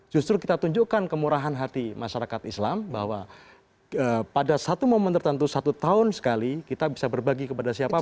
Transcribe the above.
justru kita tunjukkan kemurahan hati masyarakat islam bahwa pada satu momen tertentu satu tahun sekali kita bisa berbagi kepada siapapun